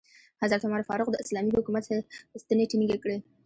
حضرت عمر فاروق د اسلامي حکومت ستنې ټینګې کړې.